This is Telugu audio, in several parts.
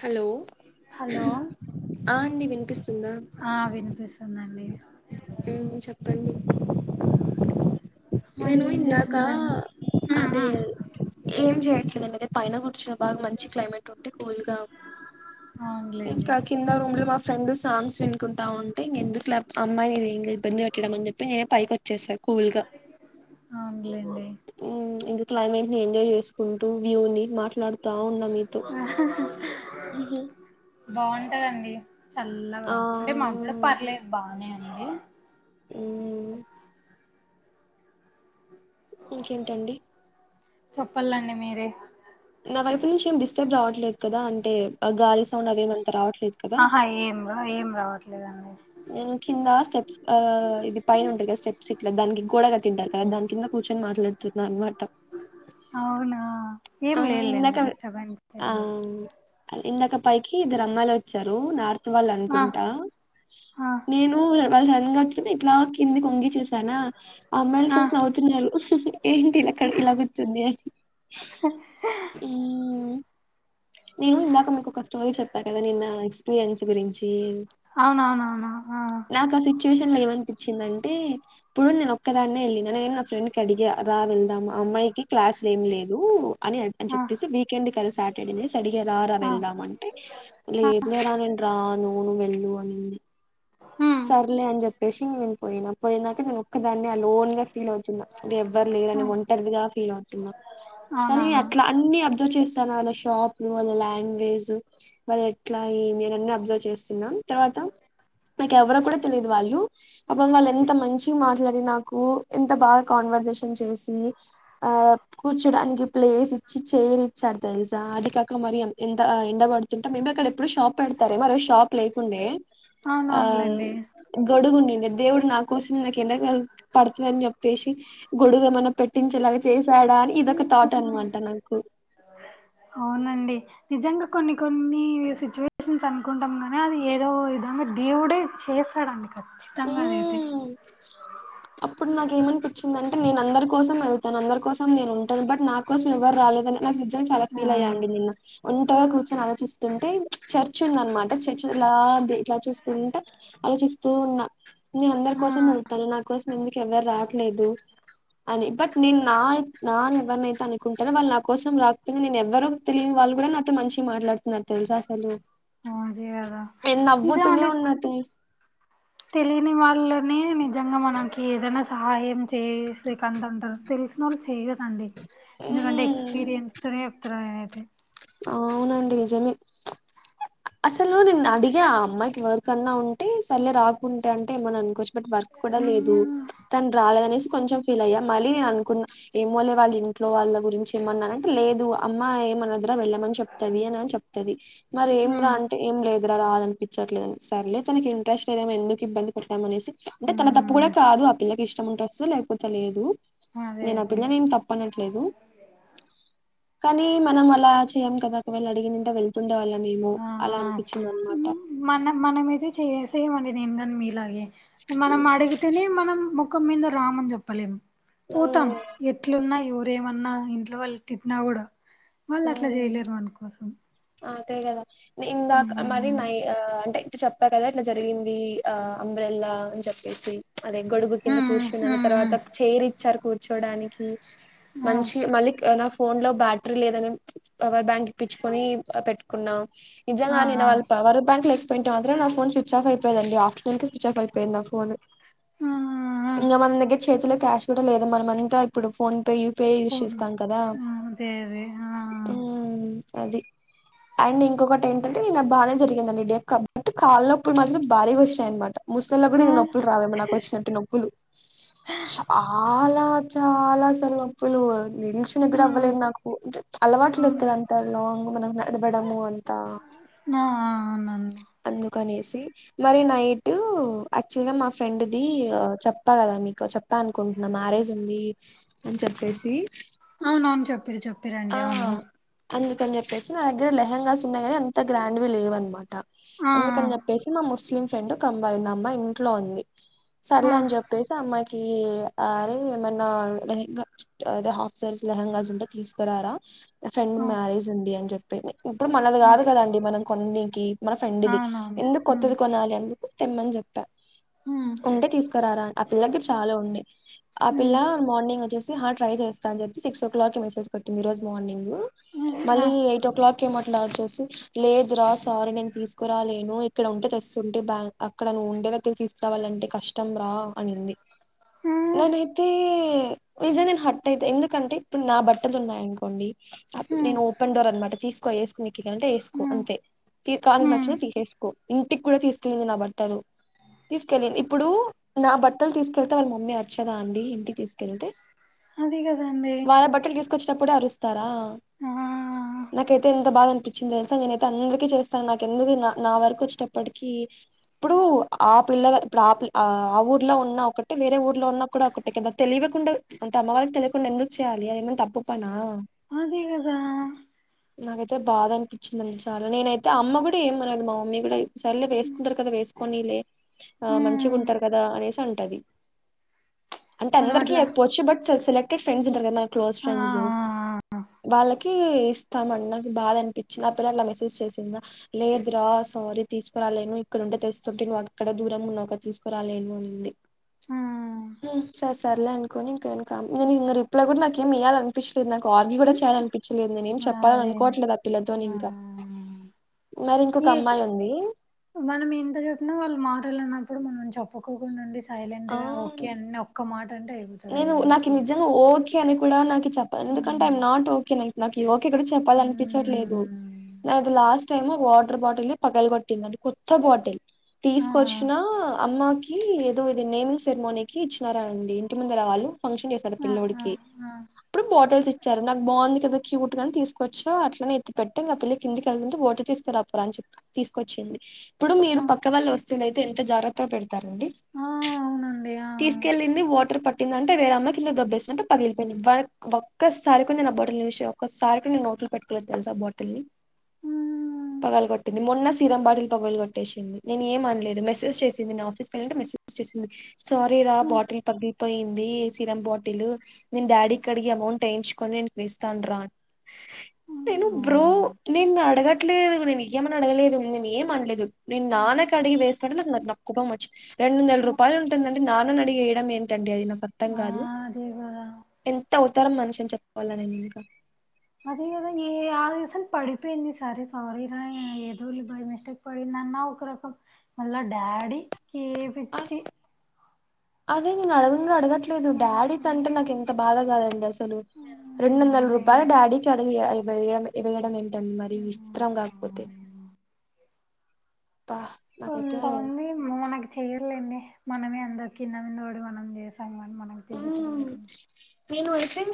హలో హలో ఆ అండి వినిపిస్తుందా ఆ వినిపిస్తుందండి చెప్పండి మరి నేను ఏం ఇందాకా చేస్తున్నారండి అదే ఏం చేయట్లేదండి అతే పైన కూర్చు బాగా మంచి క్లైమేట్ ఉంటే కూల్గా అవునులేండి ఇంకా కింద రూమ్లో మా ఫ్రెండ్ సాంగ్స్ వినుకుంటా ఉంటే ఇంకెందుకు అమ్మాయినిది ఇగ ఇబ్బంది పెట్టడం అని చెప్పి నేనే పైకి వచ్చేసా కూల్గా గ్లెండి ఇది క్లైమేట్ని ఎంజాయ్ చేసుకుంటూ వ్యూని మాట్లాడుతా ఉన్నా మీతో ఉహు బాగుంటదండి చల్లగా ఆ అంటే మబ్బుల పర్లేదు బానే ఉంది ఉ ఇంకేంటండి చెప్పలండి మీరే నా వైపు నుంచి ఏమి డిస్టర్బ్ రావట్లేదు కదా అంటే గాలి సౌండ్ అవిమంత రావట్లేదు కదా ఆహా ఏం రా ఏం రావట్లేదు అండి నేను కింద స్టెప్స్ ఆ ఇది పైన ఉంటది కదా స్టెప్స్ ఇట్లా దానికి గోడ కట్టింటారు తింటారు కదా దాని కింద కూర్చొని మాట్లాడు తున్న అనమాట అవునా ఏం ఆ లేదు లేండి ఇందాక డిస్టర్బ్ ఏం లేదు ఆ ఇందాక పైకి ఇద్దరు అమ్మాయిలు వచ్చారు నార్త్ వాళ్ళు ఆ అనుకుంటా ఆ నేను ఓ వాళ్ళు సడన్ గ వచ్చింటే ఇట్లా కింది కొంగి చూసానా ఆ అమ్మాయిలు చూసి నవ్వుతున్నారు ఏంటి ఇలా ఇక్కడ ఇలా కుచ్చుంది అని అ మ్మ్ నేను ఇందాక మీకు ఒక స్టోరీ చెప్పా కదండి నిన్న ఎక్స్పీరియన్స్ గురించి అవునవునవును ఆ నాకు ఆ సిచ్యువేషన్ లో ఏమనిపించిందంటే ఇప్పుడు నేను ఒక్కదాన్నే వెళ్ళిన నేను నా ఫ్రెండ్ కి అడిగి రా వెళ్దాం ఆ అమ్మాయికి క్లాసులు ఏం లేదు అని అని ఆ చెప్పేసి వీకెండ్ క సాటర్డేనేసి అడిగ రా రా ఆ వెళ్దాం అంటే ఆ లేదు లేరా నేను రాను నువ్వు వెళ్ళు అనింది మ్మ్ సర్లే అని చెప్పేసి నేను పోయినా పోయినాక నేను ఒక్కదాన్ని ఆ లోన్ గా ఫీల్ అవుతున్నా ఇది ఎవ్వరు ఆ లేరుని ఒంటరిదిగా ఫీల్ అవుతున్నా కానీ అవునవును అట్ల అన్ని అబ్జర్వ్ చేస్తాను వాళ్ళ షాప్లు వాళ్ళ లాంగ్వేజ్ వాళ్ళు ఎట్ల ఏమి అన్ని అబ్జర్వ్ చేస్తున్నా తర్వాత నాకు ఎవరో కూడా తెలిదు వాళ్ళు పాపం వాళ్ళు ఎంత మంచి మాట్లాడి నాకు ఎంత బాగా కాన్వర్సేషన్ చేసి ఆ కూర్చోడానికి ప్లేస్ ఇచ్చి చైర్ ఇచ్చారు తెలుసా అది కాక మరి ఎంత ఎండబడుతుంటా మేము అక్కడ ఎప్పుడు షాప్ పెడతారు మరి షాప్ లేకుండే ఆ ఆ గొడుగు నిండి దేవుడు నా కోసం నాకు ఎండ పడుతుందని చెప్పేసి గొడుగు ఏమన్న పెట్టించేలాగా చేసాడా అని ఇదొక తాట్ అనమాట నాకు నండి నిజంగా కొన్ని కొన్ని సిచ్యువేషన్స్ అనుకుంటాం గాని అది ఏదో విధంగా దేవుడే చేస్ స్తడండి ఖచ్చితంగా అదైతే మ్మ్ అప్పుడు నాకు ఏమనిపించిందంటే నేను అందరి కోసం వెళ్తాను అందరి కోసం నేను ఉంటాను బట్ నాకు కోసం ఎవరు రాలేదని నాకు నిజం చాలా ఆ ఫీల్ అయ్యండి నిన్న ఒంటగా కూర్చొని ఆలోచిస్తుంటే చర్చ్ ఉంద అనమాట చర్చ్ ఇలా ఇలా చూసుకుంట ఆలోచిస్తూ ఉన్నా నేను అందరి ఆ కోసం వెళ్తాను నా కోసం ఎందుకు ఎవరు రాట్లేదు అని బట్ నేను నా నా అని ఎవరినైతే అనుకుంటానో వాళ్ళు నా కోసం రాకపోయినా నేను ఎవరు తెలియని వాళ్ళు కూడా నాతో మంచిగ మాట్లాడుతున్నారు తెలుస అసలు అ అదే కద ఏ నవ్వుతూనే ఉన్న తెల్స్ తెలియని వాళ్ళని నిజంగా మనకి ఏదైనా సహాయం చే [unintelligible] అంటారు తెల్సినోలు చేయరాండి ఎందుకంటే ఎక్స్పీరియన్స్ తనే చెప్తార నేనైతే అవునండి నిజమే అసలు నేను అడిగే ఆ అమ్మాయికి వరకన్నా ఉంటే సరలే రాకుంటే అంటే ఏమన్నా అనుకోచ్చు బట్ వర్క్ కూడా లేదు ఉమ్ తను రాలేదనేసి కొంచెం ఫీల్ అయ్యా మళ్ళీనేన్ అనుకున్నా ఏమోలే వాళ్ళ ఇంట్లో వాళ్ళ గురించి ఏమన్నాంటే లేదు అమ్మ ఏమన్నా వెళ్ళమని చెప్తది అని అని చెప్తది మరి ఏం రా అంటే ఏం లేదు దగర రాాదనిపించట్లేదని సర్లే తనకి ఇంట్రెస్ట్ లేదేమో ఎందుకు ఇబ్బంది అనేసి అంటే తన తప్పు కూడా ఉమ్ కాదు ఆ పిల్లకి ఇష్టం ఉంటెస్తది లేకపోతే లేదు అదే నేను ఆ అదే పిల్లని ఏం తప్పనట్లేదు కానీ మనం అలా చెయ్యాం కదా ఒకవేళు అడిగినంటా వెళ్తుండేవాళ్ళ మేమో ఆ అలా అనిపించిందాన్మాట మన మానమీదే చేయసేమంది నేను కాని మీలాగే మనం అడుగు తేనె మనం ముఖం మీద రామన్ చెప్పలేము ఉ పోతాం ఎట్లున్నా ఎవర ఏమన్నా ఇంట్లో వాళ్ళు తిట్టిన్నా కూడా వాళ్ళు అట్లా చేయలేరు వాన్కోసం అ అంతే కదా న ఇందాక మరి నై అంటే ఇ చెప్పా కదా ఇట్లా జరిగింది ఆ అంబ్రెల్లా అని చెప్పేసి అదే గొడుగు కింద కూర్చున్నాను తర్వాత చైర్ ఇచ్చారు కూర్చోడానికి మంచి మళ్ళీ నా ఫోన్లో బ్యాటరీ లేదని పవర్ బ్యాంక్ ఇప్పచ్చుకొని పెట్ న్నాం నిజంగా నేను వాళ్ళ పవర్ బ్యాంకు మాత్రం నా ఫో స్విచ్ ఆఫ్ అయిపోయిదండి ఆఫటర్నన్ క స్విచ్ ఆఫ్ అయిపోయింది నా ఫోన్ ఇంకా మన దగ్గర చేతిలో క్యాష్ కూడా లేదు మన అంతా ఇప్పుడు ఫోన్ పే యూపీఐ యూజ్ ఓను ఆ అదే అదే ఆ అది అండ్ ఇంకొకటి ఏంటంటే నిన బానే జరిగిందండి డెక్ కబట్ కాళ్ల్లోప్పుడు మాత్రం భారీగా వచ్చినాయ అనమాట ముస్సులోలకి కూడా ఆ ఈ నొప్పులు రాదమ నాకు వచ్చినట్ నొప్పులు చాలా చాలా అసలు నొప్పులు నిల్చున్న కుడా అవ్వలేదు నాకు అంటే అల్వాట్లు లేదుగా అవును అంతా లాంగ్ మనకు నడవడము అంతా వునండి అందుకనేసి మళ్ళి నైట్ యాక్చువల్గా మా ఫ్రెండ్ది చెప్పా కదా మీకు చెప్ప చెప్పా అనుకుంటున్నా మ్యారేజ్ ఉంది అని చెప్పేసి అవునవును చెప్పిరి చెప్పిరండి ఆ అవును అందుకని చెప్పేసి నా దగ్గర లెహెంగాస్ ఉన్నాయి కాని అంత గ్రాండ్వి లేవు అనమాట ఆ అందుకని చె చెప్పేసి మా ముస్లిం ఫ్రెండ్ కంబాలంది అమ్మాయి ఇంట్లో ఉంది సర్లే అని ఆ చెప్పేసి అమ్మాయికి కి అరే ఏమన్నా లెహంగా అదే హాఫ్ సైస్ లెహెంగాస్ ఉంటా తీస్కురారా మా ఫ్రెండ్ ఆ మ్యారేజ్ ఉంది అని చెప్పి ఇప్పుడు మనది కాదు కదండి మనం కొన్నికి మన ఆ ఫ్రెండ్ది అవునవును ఎందుకు ఉమ్ కొత్తది కొనాలి అందుకు తెమ్మని చెప్పారు ఉమ్ ఉంటే తీస్కురారా అని ఆ పిల్ల దగ్గర చాలా ఉనై ఆ పిల్ల ఉమ్ మార్నింగ్ వచ్చేసి హ ట్రై చేస్తా అని చెప్పి సిక్స్ ఓ క్లాక్ కి మెసేజ్ పెట్టింది ఈ రోజు మార్నింగ్ ఆ మళ్ళీ ఎయిట్ ఓ క్లాక్ ఏమట్లా వచ్చేసి లేదు రా సారీని తీసుకురాాలేను ఇక్కడ ఉంటే తెస్తుంటే బ్యాక్ అక్కడ నువవు ఉండే దగ్గర తీసుకురావాలంటే కష్టం ఇష్టం రా అనింది ఉమ్ నేన్ తే ఇదే నేను హట్ అయితా ఎందుకంటే ఇప్పుడు నా బట్టలు ఉన్నాయినుకోండి ఉమ్ నేను ఓపెన్ డేర్ అనమాట తీసుకో ఎసుకుని ఎక్కంటే ఎస్కో ఉమ్ అంతే కాని ఉమ్ నచ్చినవి తీసేసుకో ఇంటికి కూడా తీసుకెళ్ళంది నా బట్టలు తీసుకెళ్ళిడి ఇప్పుడు నా బట్టలు తీసుకెళ్తే వాళ్ళ మమ్మీ వచ్చదా అండి ఇంటికి తీసుకెళ్తే, అది కదండి వాళ్ల బట్టల్ కస వచ్చేప్పుడే అరుస్తారా ఆ నాకైతే ఎంత బాధ అనిపించింది తెలుసా నేనయితే అందరికస్త, స నాకు ఎందుకు నా నా వరకు వచ్చేటప్పటిక, ఇప్పుడు ఆ పిల్ల ఇప్పుడు ఆ ప ఆ ఊర్లో ఉన్న ఒకటిే వేరే ఊర్లో ఉన్నా కూడా ఒక, క తెలియకుండా అంటే అమ్మ వాళ్ళకి తెలియకుండా ఎందుకు చేయాలి అద ఏమన్నా తప్పు పనా, అదే కదా నాకైతే బాధ అనిపించిందండి చాలా నేనైతే అయిే అమ్మ కూడా ఏమనది మా మమ్మీ కూడా సల్లలే వేసుకుంటారు కదా వేసుకొని లే, ఆ మంచిగా ఉమ్ ఉంటారు కదా అనేసి అంటది. అంటే మనం అందరికిీ అట్లా ఎపోవచ్చు బట్ సెలెక్టెడ్ ఫ్రెండ్స్ ఉంటారు కదా మన క్లోజ్ ఆ ఫ్రెండ్స్. వాళ్ళకి ఇస్తామండి నాకు బాధ అనిపించి నా పిల్ల నాకు మెసేజ్ చేసిందా. లేదురా సారీ తీసుకురాలేను ఇక్కడంటే తెలుస్తుంటే నువ్వు అక్కడ దూరం ఉన్నాక తీసుకురాలేనుంది. ఉమ్ సరే సర్లే అనుకోని ఇంక నేను ఇ రిప్లై కూడా నాకుేమి ఇయ్యాలినుకు. పిస్ట్ నాకుఆర్గి కూడా చేయాలనిపించలేదు నే ఏం చెప్పాలని అదే అనుకోవట్లేదు ఆ పిలతో ఇంకా. మరి ఇంకొక ఈ అమ్మాయి ఉంది. మనం ఎంత చెప్పినా వాళ్ళు మారాలన్నప్పుడు మనం చెప్పుకోకుండా ఉండి ఆ సైలెంట్గా ఓకే అని ఒక్క మాట అంటే నేను అయిపోతుందండి నాకు ఓకే. నిజంగా ఓకే అని కూడా నాకు చెప్పాలి ఎందుకంటే ఉమ్ ఐ నాట్ ఓకే నాకుఒకే కూడా చెప్పాల అనిపించట్లేదు ఉమ్ నా అది లాస్ట్. టై మో వాటర్ బాటిల్ పగలు కొట్టిందండి కొత్త బాటిల్ ఆ తీసుకొచ్చిన అమ్మాకి, ఏదో ఇది నేమింగ్ సెరిమోనీ కి ఇచ్చినారా అండి ఇంటి ముందు రావాాలు. ఫంక్షన్ చేసాడు ఆ ఆ పిల్లోడికి ఆ అప్పుడు బాటిల్స్ ఇచ్చారు నాకు బాగుంది కదా. క్యూట్ గా తీసుకో చ్చ అట్లనే ఎత్తి పెట్ట ఇంక పిల్ల కిందికి వెళ్తుంటే వాటర్ తీసుకురాపోరా అని చెప్ప. తీసుకొచ్చింది ఇప్పుడు మీరు ఆ పక్క వాళ్ళ వస్తువులయితే ఎంత జాగ్రత్త పెడతారండి. ఆ అవునండి. తీసుకెళ్ళలింది వాటర్ పట్టిందింటేవెరేమ్మకి ఇల్ దెబ్బేసినట్టు పగిలిపోయింది. ఒక్కసారి కూడా బాటిల్ చూసి ఒక్కసారి కూడా నోట్లు పెట్టుకోలేచ్చు తెలుసా ఆ బాటిల్ని. హ్మ్. పగలు కొట్టింది మొన్న సీరంబాల్ పగలు కొట్టేసి నేను ఏమ అనలేదు మెసజ్ చేసింది నా ఆఫీస్కి వెళంటే మెసేజ్. సింది సారీ రా బాటిల్ పగ్గి, పోయింది సిరం బాటిల్ నేను డాడీకి అడిగి అమౌంట్ వేయించుకొని నేను వేస్తాను రా, నేను బ్రో నిన్ను అడగట, లేదు నేను ఇయ్య మని అడగలేదు నేను ఏం అనలేదు నేను నాన్నకి అడిగి వేస్తాడలే అన్నారు నాకు కో ప్పం మచ్చది. రెండు వందల రూపాయలుంటుందండి నాన్న అడిగేయడం ఏంటి. ండి అది నాకు అర్థం ఆ కాదు అదే కదా ఎంత అవతరం మనిషి అని చెప్పవాలా నేను ఇనుక. అదే కదా ఏ ఆ దసం పడిపోయింది సరే సారీ రా ఏదోళ్లి బాయ్ మిస్టేక్. పడిందన్న ఒక రకం మళ డాడీ ఆ కేపిచ్చి. అదే నేను అడగు అడగట్లేదు ఆ, డాడీ తంటే నాకు ఎంత. ఎంత బాధ కాదండి అసలు రెండు వందల అదే రూపాయలు కదా డాడీకి అ వేయ వేయడం. తన్ మరి విస్తత్రం కాకపోతే బ కొంతమంది మనకు చెయలేండి మనమే అంద కిన్న విన్నోడి మనం చేసాముని మనం. ఉ నేను వసం.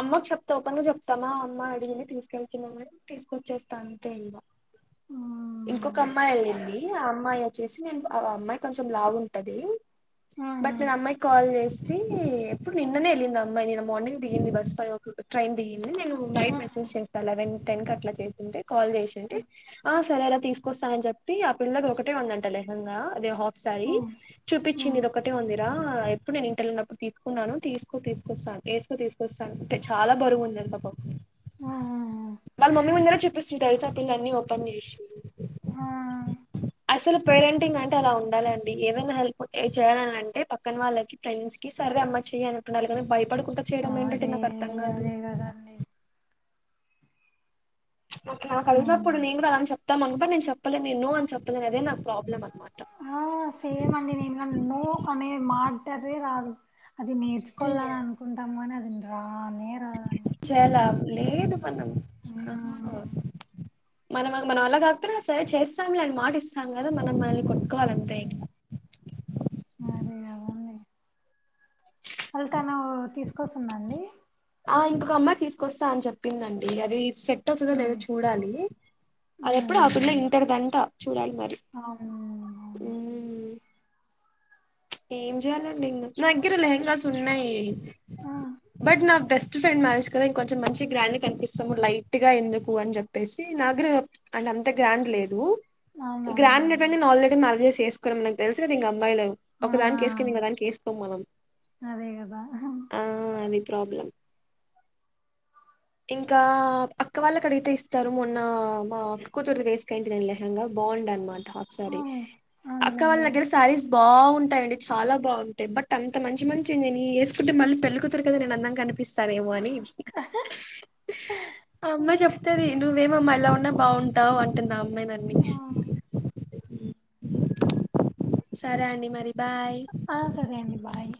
అమ్మకు చెప్తా పను చెప్తామా అమ్మ అడిగిని తీసుకెళ్తున్నామని తీసుకొచ్చేస్తా అంతెేల్వా. ఇంకొక ఉమ్ అమ్మాయి వెళ్ళింది ఆ అమ్మాయి. చేసినాయ్ అనుకో ఆ అమ్మాయ్ కొంచెం లావు ఉంటది బట్ ఉమ్. నేను ఆ అమ్మాయ్ కి కాల్ చేసి నేనే ఎప్పుడు నిన్ననే వెళ్ళింది అమ్మాయి నేను మార్నింగ్ దిగింది bus five o'clock train దిగింది నేను ఆ నైట్ మెసేజ్ చేస్తాను లెవెన్, టెన్ క అట్లా చేసింటే కాల్ చేసింటే ఆ సరేరా తీసుకొస్తా అని చెప్పి ఆ పిల్లది ఒకటే ఉందంట లేహంగా అదే హా సారి చూపించింది ఇది ఒకటే ఉందిరా ఎప్పుడు నేను ట్టళ్నప్పుడు తీసుకున్నాను తీసుకో తీసుకొస్తాను వేసుకో తీసుకొస్తాను అంటే చాలా బరువుంది బాబ వాళ్ళ మమ్మీ ముందర చూపిస్తుంది తెలుస పిల్ల అన్ని ఓపెన్ చేసి అసలు పేరెంటింగ్ అంటే అలా ఉండాల అండి ఏమైనా హెల్ప్ చేయాలని అంటే పక్కన వాళ్ళకి ఫ్రెండ్స్ కి సర్వే అమ్మ చెయ్య అన్నటుటున్నారు కానీ భయపడుకుంట చేయడం ఏంటంటే నాకు అర్థం కాదు. కదాండి నాకు కలిసినప్పుడును కూడా అలాని చెప్దం అనుకుమాట నేను చెప్పలేదు నేన్నో అని చెప్పలే అదే నాకు ప్రాబ్లం అనమాట. ఆ సేమ్ అండి నేను గాని న్నో అనే మాటనే రాదు. అది నేర్చుకోవాలని అనుకుంటాము అని అది రానే రాదండి చేలా లేదు మనం అహ మనం మనం వల్ల కాకపోనా సరే చేస్తాం లేని మాట ఇస్తాం కదా మనం మనల్ని కొట్టుకోవాలి అంతే ఇంక. అదే కదండి అల్తను తీసుకొస్తుందండి ఆ ఇంకొక అమ్మాయి తీసుకొస్తా అని చెప్పిందండి. అది సెట్ అవుతుందో లేదో ఉమ్ చూడాలి. అది ఎప్పుడు ఆపిల్ల ఉమ్ ఇంటరు దంట చూడాలి మరి అవును ఉ ఏం చెయాలండి ఇంకా నా దగ్గర లెంగాస్ ఉన్నాయి బట్ నా బెస్ట్ బస్ట్ ఫ్రెండ్ మ్యారేజ్ కదా ఇంకొంచెం మంచి గ్రాండ్ కనిపిస్తాము. లైట్ గా ఎందుకు అని చెప్పేసి నాగ్గరే అని అంత గ్రాండ్ లేదు. గ్రాడ్ అవునవునులేండి ఉటువంటి నే ఆల్రెడీ మరేజేస్ చేసుకోన్నా మనకు తెలుసు కద ఇంక అమ్మాయిలు ఆ ఒకదానికి వేసుకొని ఇంకొదానికి వేసుకోం మనం అదే కదా ఆ అది ప్రాబ్లం ఇంకా అక్క వాళ్ళుకడిగితే ఇస్తారు మొన్న మా అక్క కూతురది వేస్ కంటి నేన లేహంగా బాగుండ అనమాట. టాఫ శారీ అక్క వాళ్ళ అవునులేండి దగ్గర శారీస్ బావుంటాయండి. చాలా బావుంటాయి బట్ అంత మంచి మంచిని ఏ నేను వేసుకుంటే మళ్ళీ పెళ్లికుతూరు కన్న నేను అందంగా కనిపి తనేమో అని అమ్మ చెప్తది ను మేమమ్మా ఇలా ఉన్నా బావుంటావు అంటుంది ఆ అమ్మాయిన్నన్ని సరే అండి మరి బాయ్ ఆ సరే అండి బాయ్